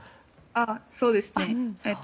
そうですね。